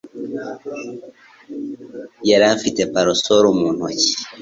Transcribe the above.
Yari afite parasol mu ntoki.